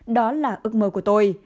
đó là ước mơ của tôi